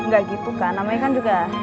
gak gitu kan namanya kan juga